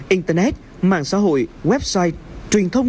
internet mạng xã hội website truyền thông